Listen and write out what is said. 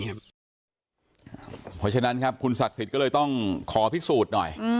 เพราะฉะนั้นครับคุณศักดิ์สิทธิ์ก็เลยต้องขอพิสูจน์หน่อย